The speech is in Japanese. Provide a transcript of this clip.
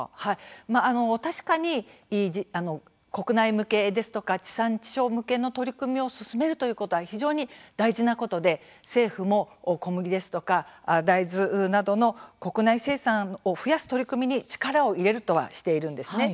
確かに国内向けですとか地産地消向けの取り組みを進めるということは非常に大事なことで政府も小麦ですとか大豆などの国内生産を増やす取り組みに力を入れるとはしているんですね。